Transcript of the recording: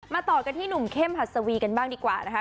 ต่อกันที่หนุ่มเข้มหัสวีกันบ้างดีกว่านะคะ